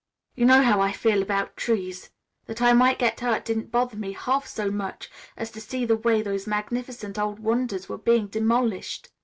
You know how I feel about trees. That I might get hurt didn't bother me half so much as to see the way those magnificent old wonders were being demolished.